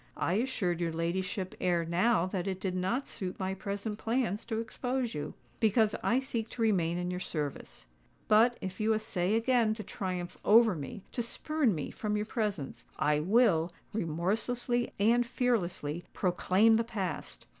"I assured your ladyship ere now that it did not suit my present plans to expose you; because I seek to remain in your service. But, if you essay again to triumph over me—to spurn me from your presence—I will, remorselessly and fearlessly, proclaim the past."